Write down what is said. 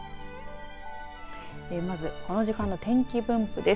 まずこの時間の天気分布です。